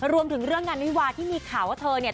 เรื่องงานวิวาที่มีข่าวว่าเธอเนี่ย